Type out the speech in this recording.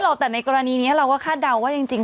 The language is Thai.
ก็ต้องถามคนที่มีประสบการณ์ตรง